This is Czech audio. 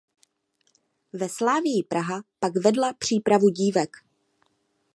Ve Slavii Praha pak vedla přípravu dívek.